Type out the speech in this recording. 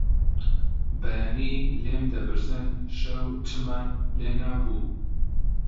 بەیانی لێم دەپرسن شەو چمان لێنابوو؟